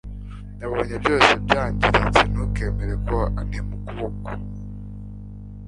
Yabonye byose byangiritse Ntukemere ko antema ukuboko